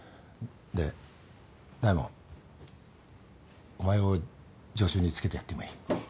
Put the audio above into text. で大門お前を助手につけてやってもいい。